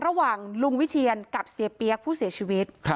ระหว่างลุงวิเชียนกับเสียเปี๊ยกผู้เสียชีวิต